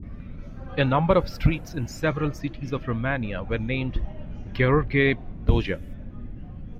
A number of streets in several cities of Romania were named "Gheorghe Doja".